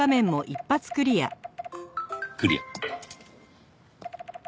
クリア。